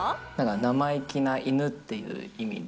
生意気な犬っていう意味で。